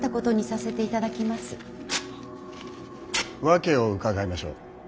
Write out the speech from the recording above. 訳を伺いましょう。